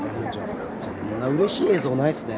こんなうれしい映像ないですね。